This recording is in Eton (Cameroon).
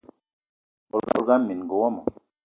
Bolo ngana minenga womo